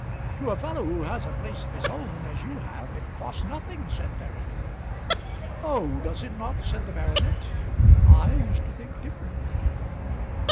"To a fellow who has a place of his own as you have, it costs nothing," said Peregrine. "Oh, does it not?" said the baronet; "I used to think differently."